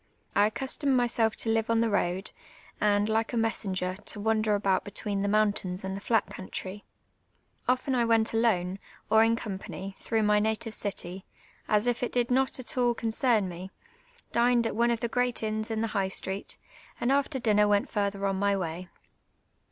I accustomed mys(>lf to live ■Gn the road, and, like a messenger, to wander about between the mountains and the tiut country. (Jfteii I wont alone, or 8KATTN0. J. 53 in company, tlirout^h my native ri\v, ns if it did not nt nil concern \m\ dimd at one of tlie ^rcat inns in tlu Ili^^h htrrot, and after dinner went further on my way.